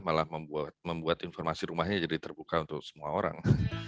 malah membuat informasi rumahnya jadi terbuka untuk semua orang